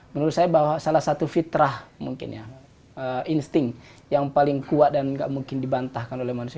menurut saya bahwa salah satu fitrah mungkin ya insting yang paling kuat dan nggak mungkin dibantahkan oleh manusia